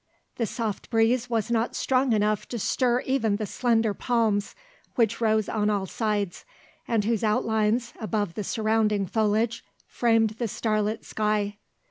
The soft breeze was not strong enough to stir even the slender palms which rose on all sides, and whose outlines, above the surrounding foliage, framed the starlit sky.